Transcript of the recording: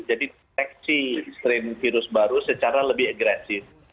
jadi deteksi strain virus baru secara lebih agresif